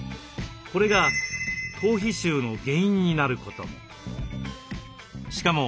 これが頭皮臭の原因になることも。